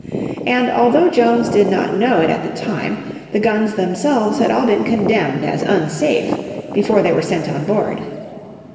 And, although, Jones did not know it at the time, the guns themselves had all been condemned as unsafe before they were sent on board.